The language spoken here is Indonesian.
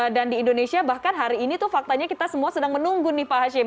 dan di indonesia bahkan hari ini tuh faktanya kita semua sedang menunggu nih pak hashim